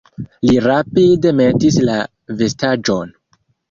Li rapide metis la vestaĵon.